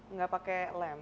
enggak pakai lem